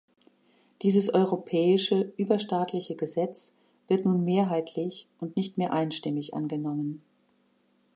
Dieses europäische, überstaatliche Gesetz wird nun mehrheitlich und nicht mehr einstimmig angenommen.